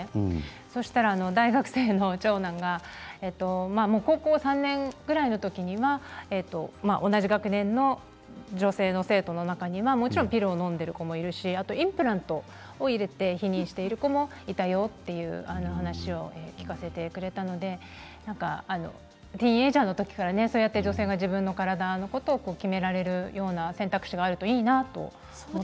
そうしたら大学生の長男が高校３年くらいの時には同じ学年の女性の生徒の中にはもちろんピルをのんでいる子もいるしインプラントを入れて避妊している子もいたよって話を聞かせてくれたのでティーンエージャーの時から女性が自分の体のことを決められる選択肢があるといいなと。